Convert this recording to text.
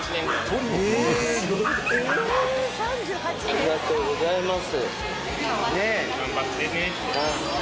ありがとうございます。